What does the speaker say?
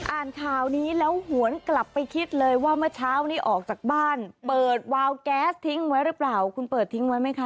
อ่านข่าวนี้แล้วหวนกลับไปคิดเลยว่าเมื่อเช้านี้ออกจากบ้านเปิดวาวแก๊สทิ้งไว้หรือเปล่าคุณเปิดทิ้งไว้ไหมคะ